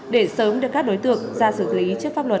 để sớm đưa các đối tượng ra xử lý trước pháp luật